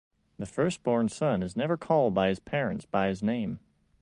The firstborn son is never called by his parents by his name.